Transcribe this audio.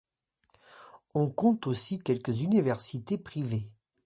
On compte aussi quelques universités privées.